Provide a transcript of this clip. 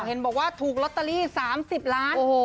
เห็นบอกว่าถูกลอตเตอรี่สามสิบล้านโอ้โห